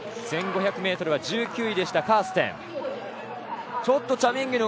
１５００ｍは１９位でしたカーステン。